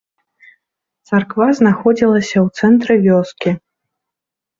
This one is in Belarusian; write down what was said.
Царква знаходзілася ў цэнтры вёскі.